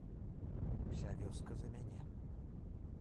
Уся вёска за мяне.